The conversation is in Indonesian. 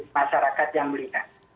masyarakat yang melihat